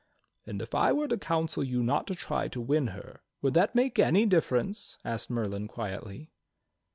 "And if I were to counsel you not to try to win her, would that make any difference?" asked Merlin quietly.